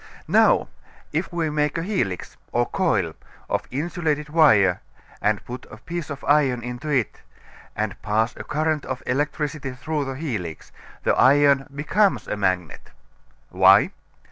Now, if we make a helix, or coil, of insulated wire and put a piece of iron into it, and pass a current of electricity through the helix, the iron becomes a magnet. Why?